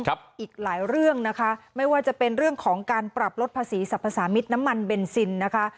อีกหลายเรื่องนะคะไม่ว่าจะเป็นเรื่องของการปรับลดภาษีสรรพสามิตรน้ำมันเบนซินนะคะ